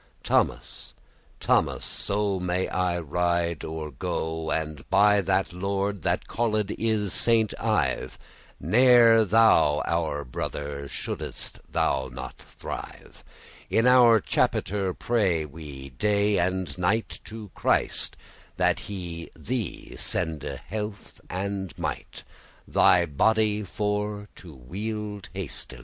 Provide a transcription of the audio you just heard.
*rise* Thomas, Thomas, so may I ride or go, And by that lord that called is Saint Ive, *N'ere thou our brother, shouldest thou not thrive;* *see note <17>* In our chapiter pray we day and night To Christ, that he thee sende health and might, Thy body for to *wielde hastily.